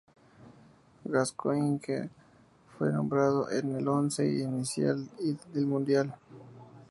Gascoigne fue nombrado en el once inicial ideal del Mundial.